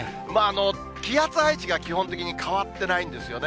気圧配置が基本的に変わってないんですよね。